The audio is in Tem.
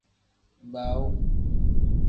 Baawu.